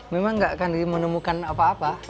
memang nggak akan menemukan apa apa